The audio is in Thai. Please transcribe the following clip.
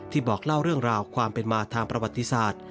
บอกเล่าเรื่องราวความเป็นมาทางประวัติศาสตร์